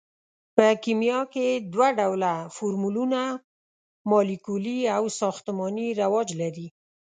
په کیمیا کې دوه ډوله فورمولونه مالیکولي او ساختماني رواج لري.